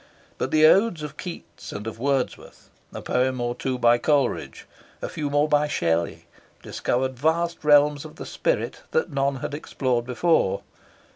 But the odes of Keats and of Wordsworth, a poem or two by Coleridge, a few more by Shelley, discovered vast realms of the spirit that none had explored before.